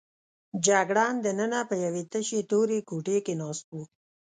جګړن دننه په یوې تشې تورې کوټې کې ناست و.